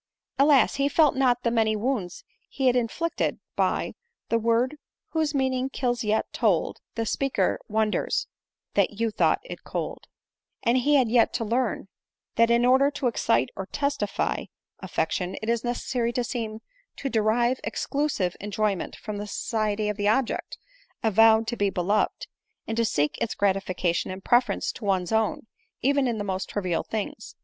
Alas! he felt not the many wounds he had inflicted by " The word whose meaning kills ; yet, told, The speaker wonders that you thought it cold :" and he had yet to learn, that in order to excite or testify ADELINE MOWBRAY. 225 affection, it is necessary to seem to derive exclusive en joyment from the society of the object avowed to be beloved, and to seek its gratification in preference to one's own, even in the most trivial things.